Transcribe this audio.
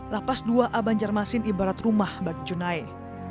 lapas dua a banjarmasin ibarat rumah bagi junai